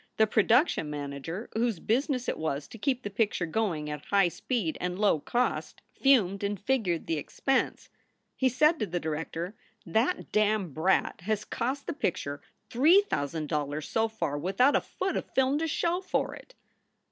The pro duction manager, whose business it was to keep the picture going at high speed and low cost, fumed and figured the SOULS FOR SALE 263 expense. He said to the director, "That damned brat has cost the picture three thousand dollars so far without a foot of film to show for it."